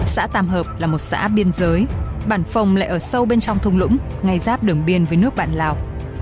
xã tam hợp là một xã biên giới bản phòng lại ở sâu bên trong thông lũng ngay giáp đường biên với nước bạn lào